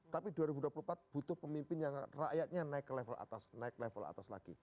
tapi dua ribu dua puluh empat butuh pemimpin yang rakyatnya naik ke level atas naik level atas lagi